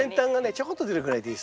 ちょこっと出るぐらいでいいです。